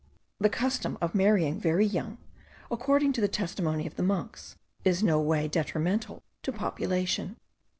The custom of marrying very young, according to the testimony of the monks, is no way detrimental to population.